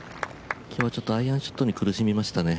今日はちょっとアイアンショットに苦しみましたね。